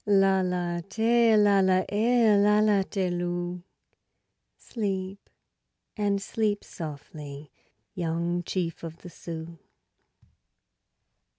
Lala, Tee, Lala, Eh, Lala, Tee, Lou; Sleep and sleep softly, Young chief of the Sioux.